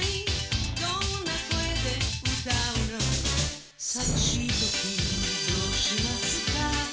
「どんな声で歌うの」「さみしいときどうしますか」